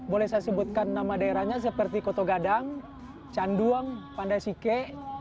boleh saya sebutkan nama daerahnya seperti koto gadang canduang pandai sike